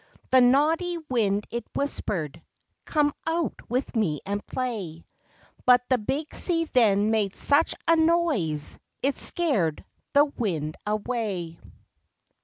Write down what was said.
The naughty wind it whispered: "Come out with me and play," But the big sea then made such a noise It scared the wind away.